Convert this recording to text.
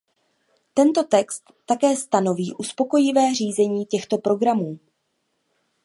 Tento text také stanoví uspokojivé řízení těchto programů.